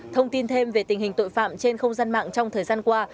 thông tin thêm về tình hình tội phạm trên không gian mạng trong thời gian qua